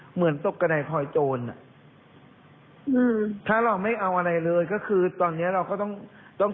เหมือนตกกระด่ายคอยโจรถ้าเราไม่เอาอะไรเลยก็คือตอนเนี้ยเราก็ต้อง